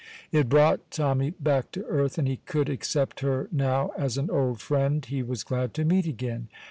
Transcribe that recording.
It brought Tommy back to earth, and he could accept her now as an old friend he was glad to meet again.